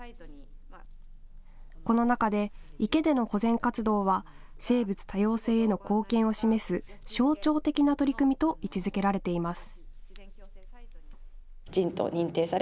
この中で、池での保全活動は生物多様性への貢献を示す象徴的な取り組みと位置づけられています。